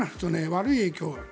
悪い影響が。